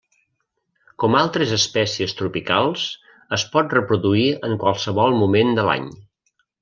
Com altres espècies tropicals, es pot reproduir en qualsevol moment de l'any.